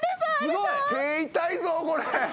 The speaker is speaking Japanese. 手痛いぞこれ。